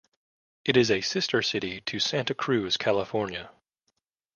It is a sister city to Santa Cruz, California.